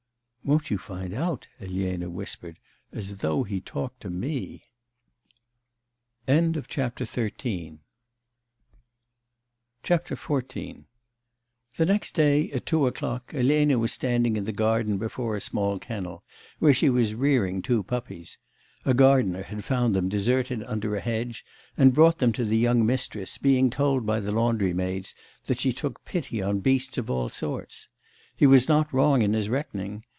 'Won't you find out!' Elena whispered, 'as though he talked to me!' XIV The next day, at two o'clock, Elena was standing in the garden before a small kennel, where she was rearing two puppies. (A gardener had found them deserted under a hedge, and brought them to the young mistress, being told by the laundry maids that she took pity on beasts of all sorts. He was not wrong in his reckoning.